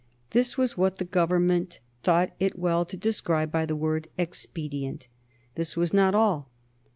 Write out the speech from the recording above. This was what the Government thought it well to describe by the word "expedient." This was not all.